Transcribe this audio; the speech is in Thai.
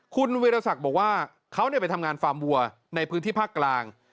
คุณวิรสักบอกว่าเขาไปทำงานฟาร์มวัวในพื้นที่ภาคกลาง